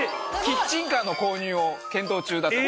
キッチンカーの購入を検討中だと。